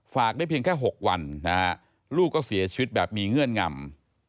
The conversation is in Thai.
ได้เพียงแค่๖วันนะฮะลูกก็เสียชีวิตแบบมีเงื่อนงำ